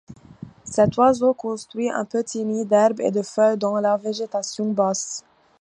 Cet oiseau construit un petit nid d'herbes et de feuilles dans la végétation basse.